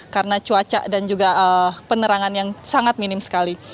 karena cuaca dan juga penerangan yang sangat minim sekali